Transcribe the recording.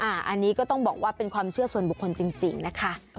อันนี้ก็ต้องบอกว่าเป็นความเชื่อส่วนบุคคลจริงนะคะ